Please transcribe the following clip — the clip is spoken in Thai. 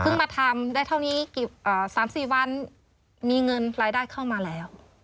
มาทำได้เท่านี้๓๔วันมีเงินรายได้เข้ามาแล้ว